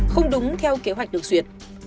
không đúng theo kế hoạch được duyệt